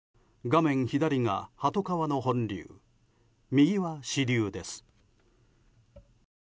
画面左が鳩川の本流右は支流です。